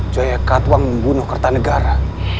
jaya katwang membunuh kertanegara